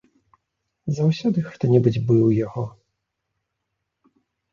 Заўсёды хто-небудзь быў у яго.